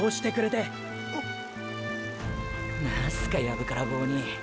何すかやぶからぼうに。